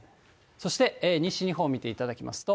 そして、西日本を見ていただきますと。